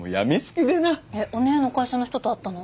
えっおねぇの会社の人と会ったの？